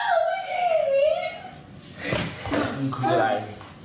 มึงคืออะไร